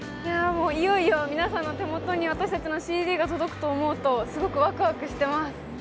いよいよ皆さんの手元に私たちのＣＤが届くと思うと、すごくわくわくしています。